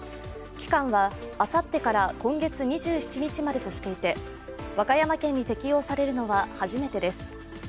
期間はあさってから今月２７日までとしていて、和歌山県に適用されるのは初めてです。